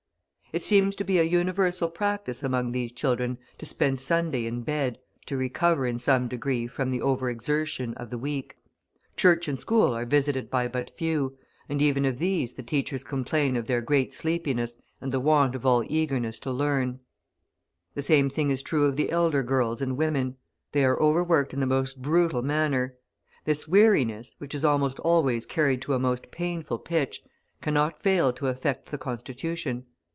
It seems to be a universal practice among these children to spend Sunday in bed to recover in some degree from the over exertion of the week. Church and school are visited by but few, and even of these the teachers complain of their great sleepiness and the want of all eagerness to learn. The same thing is true of the elder girls and women. They are overworked in the most brutal manner. This weariness, which is almost always carried to a most painful pitch, cannot fail to affect the constitution.